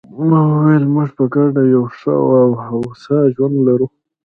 ما وویل: موږ په ګډه یو ښه او هوسا ژوند لرو.